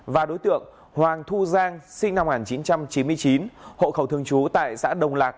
và đối tượng hoàng thu giang sinh năm một nghìn chín trăm chín mươi chín hộ khẩu thường trú tại xã đồng lạc